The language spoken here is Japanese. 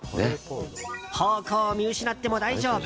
方向を見失っても大丈夫。